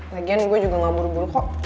lagian gue juga gak buru buru kok